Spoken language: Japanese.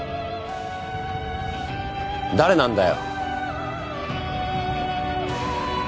誰なんだよ。